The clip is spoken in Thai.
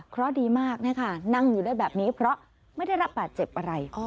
เพราะดีมากนะคะนั่งอยู่ได้แบบนี้เพราะไม่ได้รับบาดเจ็บอะไร